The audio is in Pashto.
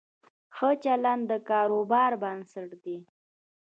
ښه چلند د کاروبار بنسټ دی.